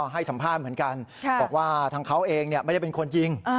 ให้สัมภาษณ์เหมือนกันบอกว่าทางเขาเองไม่ได้เป็นคนยิง